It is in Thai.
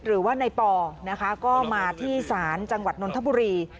หรือว่าในปก็มาที่สารจังหวัดนนทบุรี